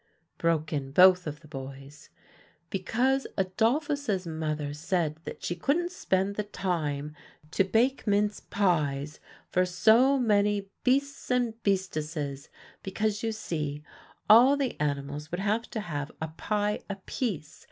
broke in both of the boys. "Because Adolphus's mother said that she couldn't spend the time to bake mince pies for so many beasts and beastesses, because you see, all the animals would have to have a pie apiece.